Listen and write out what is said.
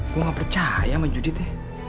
gue gak percaya sama judit ya